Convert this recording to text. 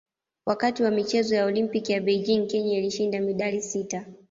Wakati wa michezo ya Olimpiki ya Beijing Kenya ilishinda medali sita